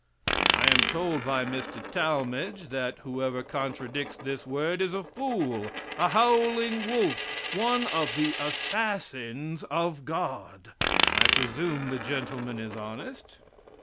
I am told by Mr. Talmage that whoever contradicts this word is a fool, a howling wolf, one of the assassins of God. I presume the gentleman is honest.